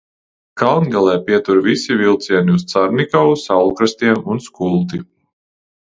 Kalngalē pietur visi vilcieni uz Carnikavu, Saulkrastiem un Skulti.